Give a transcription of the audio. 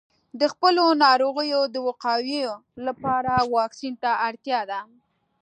د خپلو ناروغیو د وقایې لپاره واکسین ته اړتیا ده.